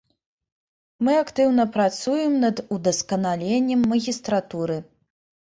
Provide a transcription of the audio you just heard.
Мы актыўна працуем над удасканаленнем магістратуры.